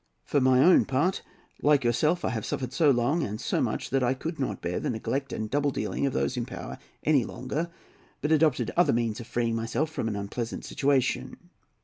For my own part, like yourself, I have suffered so long and so much that I could not bear the neglect and double dealing of those in power any longer, but adopted other means of freeing myself from an unpleasant situation.